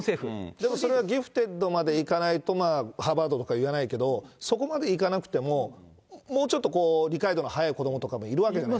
でもそれはギフテッドまでいかないと、ハーバードとかいかないけど、そこまでいかなくてももうちょっとこう、理解度の早い子どもとかもいるわけじゃない。